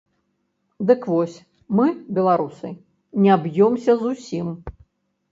Дык вось, мы, беларусы, не б'ёмся зусім.